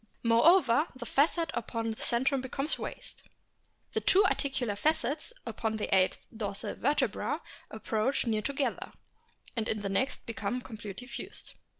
Moreover, the facet upon the centrum becomes raised. The two articular facets upon the eighth N 1 78 A BOOK OF WHALES dorsal vertebra approach near together, and in the next become completely fused.